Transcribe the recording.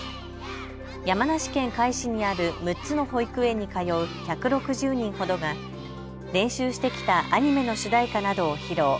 山梨県甲斐市にある６つの保育園に通う１６０人ほどが練習してきたアニメの主題歌などを披露。